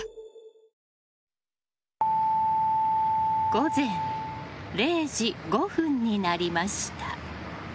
午前０時５分になりました。